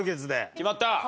決まった？